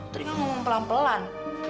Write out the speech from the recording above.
tadi kamu ngomong pelan pelan